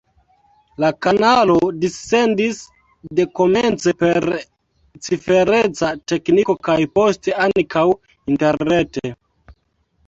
La kanalo dissendis dekomence per cifereca tekniko kaj poste ankaŭ interrete.